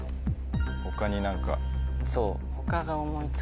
他に何か。